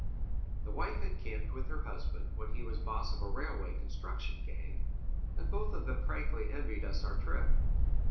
The wife had camped with her husband, when he was boss of a railway construction gang, and both of them frankly envied us our trip.